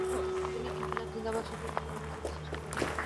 তিনি "ইনকিলাব জিন্দাবাদ" শব্দটি স্লোগান হিসেবে সৃষ্টি করেন।